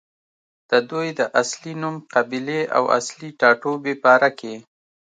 ددوي د اصل نوم، قبيلې او اصلي ټاټوبې باره کښې